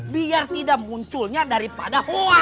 biar tidak munculnya daripada hoax